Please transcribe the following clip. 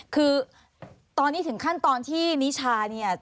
คือตอนนี้ถึงขั้นตอนที่นิชาเนี่ย